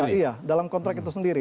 oh iya iya dalam kontrak itu sendiri